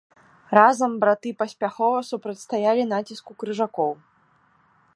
Разам браты паспяхова супрацьстаялі націску крыжакоў.